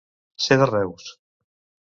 Ser de Reus.